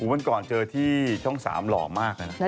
วันก่อนเจอที่ช่อง๓หล่อมากเลยนะ